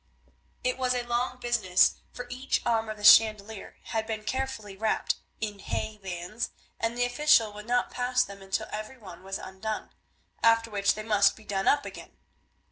It was a long business, for each arm of the chandelier had been carefully wrapped in hay bands, and the official would not pass them until every one was undone, after which they must be done up again.